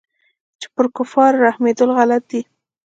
چې پر كفارو رحمېدل غلط دي.